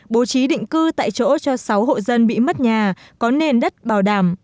bố trí định cư tại chỗ cho sáu hộ dân bị mất nhà có nền đất bảo đảm